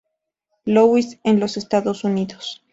Louis en los Estados Unidos.